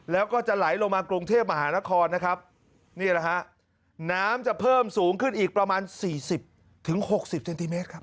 แล้วก็จะไหลลงมากรุงเทพมหานครนะครับนี่แหละฮะน้ำจะเพิ่มสูงขึ้นอีกประมาณสี่สิบถึงหกสิบเซนติเมตรครับ